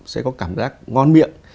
sẽ có cảm giác ngon miệng